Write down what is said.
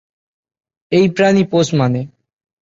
এই প্রাণী পোষ মানে।